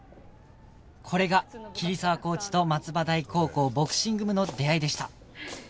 これが桐沢コーチと松葉台高校ボクシング部の出会いでした